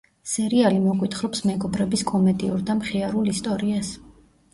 სერიალი მოგვითხრობს მეგობრების კომედიურ და მხიარულ ისტორიას.